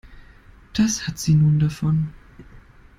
Das hat sie nun davon.